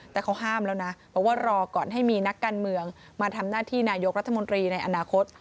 แต่เขาห้ามแล้วนะบอกว่ารอก่อนให้มีนักการเมืองมาทำหน้าที่นายกรัฐมนตรีในอนาคต